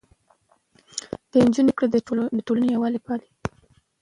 د نجونو زده کړه د ټولنې يووالی پالي.